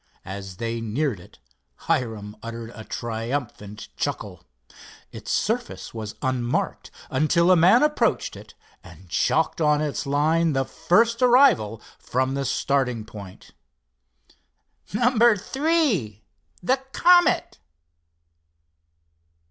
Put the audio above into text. As they neared it Hiram uttered a triumphant chuckle. Its surface was unmarked until a man approached it, and chalked on its line the first arrival from starting point. "_No. Three—the Comet.